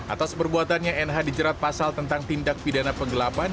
atas perbuatannya nh dijerat pasal tentang tindak pidana penggelapan